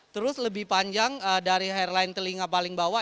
terus lebih panjang dari hairline telinga paling bawah